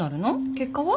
結果は？